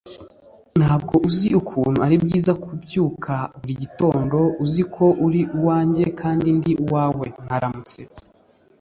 ntabwo uzi ukuntu ari byiza kubyuka buri gitondo uzi ko uri uwanjye kandi ndi uwawe. mwaramutse